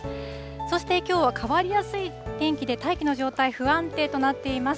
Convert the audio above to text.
そしてきょうは変わりやすい天気で、大気の状態、不安定となっています。